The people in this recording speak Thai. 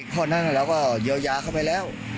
เท่านั้นเราก็เยียวยาเข้าไปแล้ว